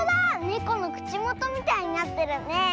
ネコのくちもとみたいになってるねえ。